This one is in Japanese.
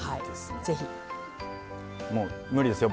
もう無理ですよ